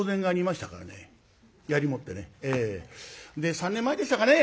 ３年前でしたかね